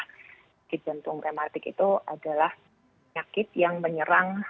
penyakit jantung reumatik itu adalah penyakit yang menyerang